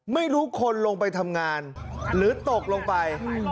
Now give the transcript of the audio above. ไม่รู้คนลงไปทำงานหรือตกลงไป